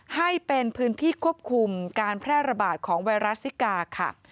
ให้เป็นพื้นที่ควบคุมการแพร่ระบาดของไวรัสซิกาค่ะ